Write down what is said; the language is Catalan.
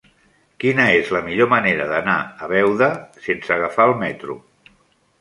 Quina és la millor manera d'anar a Beuda sense agafar el metro?